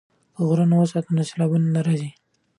که غرونه وساتو نو سیلابونه نه راځي.